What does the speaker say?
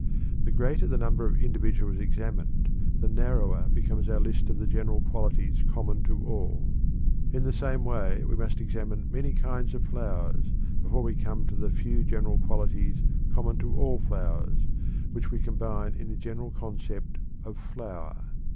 The greater the number of individuals examined, the narrower becomes our list of the general qualities common to all. In the same way we must examine many kinds of flowers before we come to the few general qualities common to all flowers, which we combine in the general concept of "flower."